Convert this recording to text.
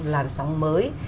làn sóng mới